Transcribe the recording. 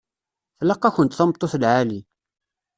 Tlaq-akent tameṭṭut lɛali.